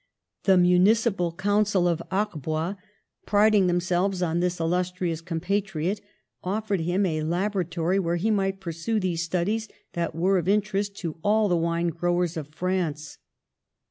The municipal coun sel of Arbois, priding themselves on this illus trious compatriot, offered him a laboratory where he might pursue these studies that were of interest to all the wine growers of France.